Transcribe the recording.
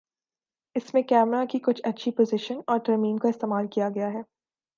اس میں کیمرہ کی کچھ اچھی پوزیشن اور ترمیم کا استعمال کیا گیا ہے